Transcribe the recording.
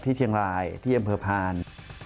ที่เชียงรายที่อำเภอพาน